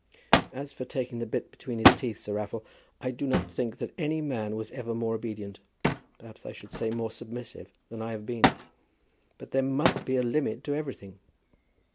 "As for taking the bit between his teeth, Sir Raffle, I do not think that any man was ever more obedient, perhaps I should say more submissive, than I have been. But there must be a limit to everything."